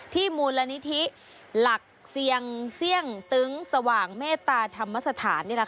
ที่มูลนิธิหลักเซียงเซี่ยงตึ้งสว่างเมตตาธรรมสถานนี่แหละค่ะ